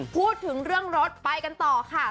พูดถึงเรื่องรถไปกันต่อค่ะ